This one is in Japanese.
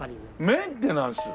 メンテナンス？